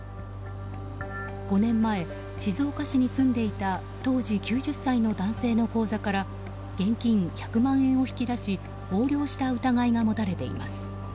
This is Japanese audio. ５年前、静岡市に住んでいた当時９０歳の男性の口座から現金１００万円を引き出し横領した疑いが持たれています。